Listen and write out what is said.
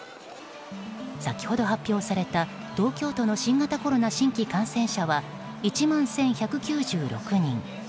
先ほど発表された東京都の新型コロナ新規感染者は１万１１９６人。